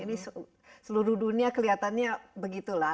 ini seluruh dunia kelihatannya begitulah